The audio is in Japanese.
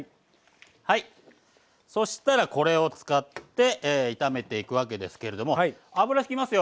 はいそしたらこれを使って炒めていくわけですけれども油ひきますよ。